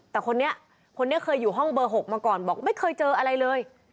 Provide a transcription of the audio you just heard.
แต่คนนี้คนนี้เคยอยู่ห้องเบอร์๖มาก่อนบอกไม่เคยเจออะไรเลย